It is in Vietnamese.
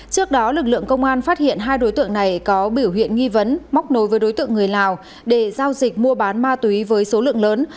trước đó lực lượng công an phát hiện hai đối tượng này có biểu hiện nghi vấn móc nối với đối tượng người lào để giao dịch mua bán ma túy với số lượng lớn